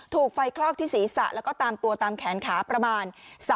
ถูกไฟคลอกที่ศีรษะแล้วก็ตามตัวตามแขนขาประมาณ